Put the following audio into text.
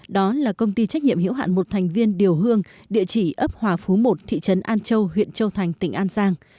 đó là công ty trách nhiệm hiểu hạn một thành viên điều hương địa chỉ ấp hòa phú một thị trấn an châu huyện châu thành tỉnh an giang